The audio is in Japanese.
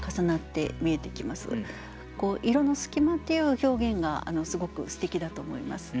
「彩の隙間」っていう表現がすごくすてきだと思います。